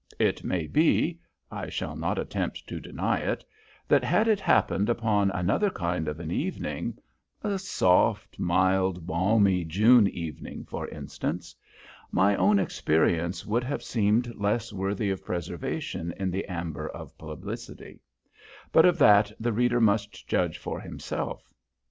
It may be I shall not attempt to deny it that had it happened upon another kind of an evening a soft, mild, balmy June evening, for instance my own experience would have seemed less worthy of preservation in the amber of publicity, but of that the reader must judge for himself.